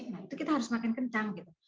nah itu kita harus semakin kencang gitu